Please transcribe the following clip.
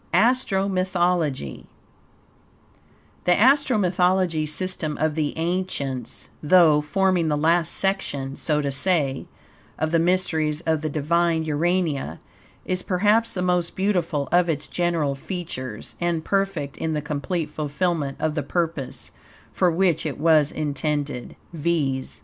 ASTRO MYTHOLOGY The Astro Mythological system of the ancients, though forming the last section, so to say, of the mysteries of the Divine Urania, is, perhaps, the most beautiful of its general features, and perfect in the complete fulfillment of the purpose for which it was intended, viz.